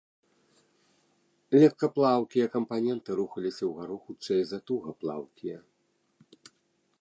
Легкаплаўкія кампаненты рухаліся ўгару хутчэй за тугаплаўкія.